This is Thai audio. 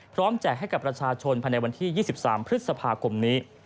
แจกให้กับประชาชนภายในวันที่๒๓พฤษภาคมนี้